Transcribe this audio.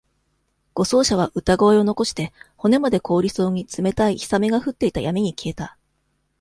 護送車は、歌声を残して、骨まで凍りそうに冷たい氷雨が降っていた闇に消えた。